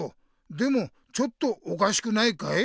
でもちょっとおかしくないかい？